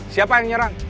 siapa yang nyerang